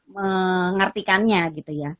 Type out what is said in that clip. mengertikannya gitu ya